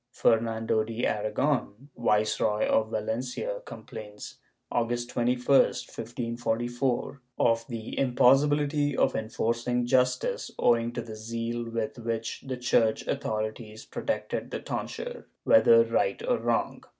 Fernando de Aragon, Viceroy of Valencia, complains, August 21, 1544, of the impossibility of enforcing justice owing to the zeal with which the church authorities protected the tonsure, whether right or wrong.